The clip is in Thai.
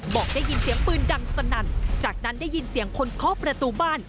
บอกได้ยินเสียงปืนดังสนั่นจากนั้นได้ยินเสียงคนเคาะประตูบ้าน